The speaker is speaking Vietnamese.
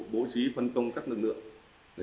bố trí phân công các lực lượng